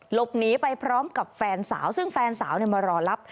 หลบหนีไปพร้อมกับแฟนสาวซึ่งแฟนสาวมารอรับ